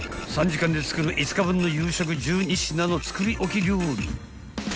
３時間で作る５日分の夕食１２品の作り置き料理］